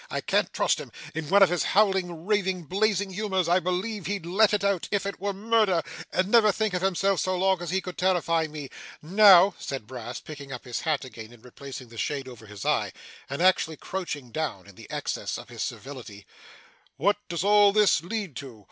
I can't trust him. In one of his howling, raving, blazing humours, I believe he'd let it out, if it was murder, and never think of himself so long as he could terrify me. Now,' said Brass, picking up his hat again and replacing the shade over his eye, and actually crouching down, in the excess of his servility, 'what does all this lead to?